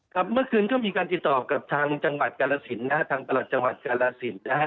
เมื่อคืนก็มีการติดต่อกับทางจังหวัดกาลสินนะฮะทางประหลัดจังหวัดกาลสินนะฮะ